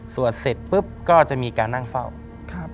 เสร็จปุ๊บก็จะมีการนั่งเฝ้าครับ